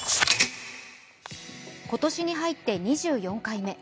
今年に入って２４回目。